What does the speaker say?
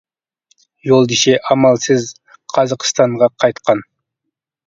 يولدىشى ئامالسىز قازاقىستانغا قايتقان .